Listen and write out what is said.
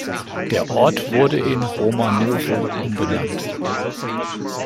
Der Ort wurde in „Romanowo“ umbenannt.